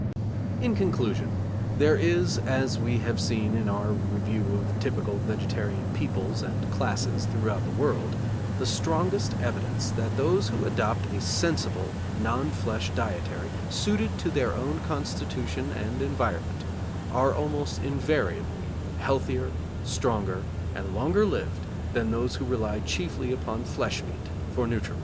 In conclusion, there is, as we have seen in our review of typical vegetarian peoples and classes throughout the world, the strongest evidence that those who adopt a sensible non flesh dietary, suited to their own constitution and environment, are almost invariably healthier, stronger, and longer lived than those who rely chiefly upon flesh meat for nutriment.